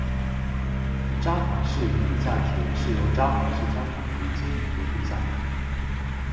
札幌市营地下铁是由札幌市交通局经营的地下铁。